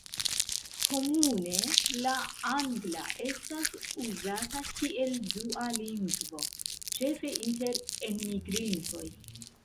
Komune, la angla estas uzata kiel dua lingvo, ĉefe inter enmigrintoj.